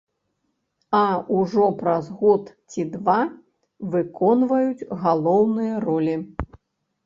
А ужо праз год ці два выконваюць галоўныя ролі.